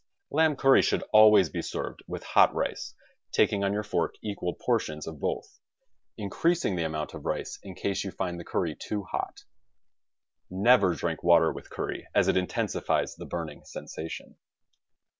Lamb curry should always be served with hot rice, taking on your fork equal portions of both, increasing the amount of rice in case you find the curry too hot. Never drink water with curry, as it intensifies the burning sen sation.